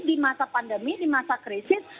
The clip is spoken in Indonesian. di masa pandemi di masa krisis